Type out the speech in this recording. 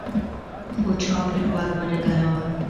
خو چا پرې غوږ ونه ګراوه.